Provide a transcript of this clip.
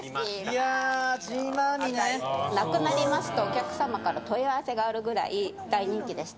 いや、なくなりますと、お客様から問い合わせがあるぐらい、大人気でして。